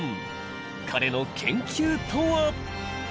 彼の研究とは。